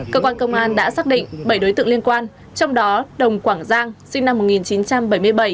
cơ quan công an đã xác định bảy đối tượng liên quan trong đó đồng quảng giang sinh năm một nghìn chín trăm bảy mươi bảy